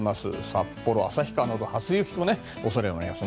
札幌、旭川も初雪の恐れもあります。